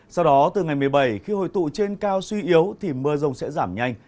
sau đó từ ngày một mươi bảy khi hồi tụ trên cao suy yếu thì mưa rông sẽ giảm nhanh